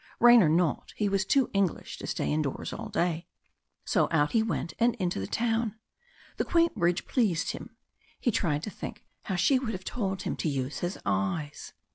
Rain or not, he was too English to stay indoors all day. So out he went and into the town. The quaint bridge pleased him; he tried to think how she would have told him to use his eyes.